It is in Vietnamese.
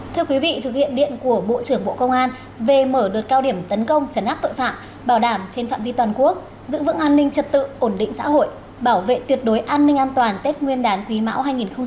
thưa quý vị thực hiện điện của bộ trưởng bộ công an về mở đợt cao điểm tấn công trấn áp tội phạm bảo đảm trên phạm vi toàn quốc giữ vững an ninh trật tự ổn định xã hội bảo vệ tuyệt đối an ninh an toàn tết nguyên đán quý mão hai nghìn hai mươi bốn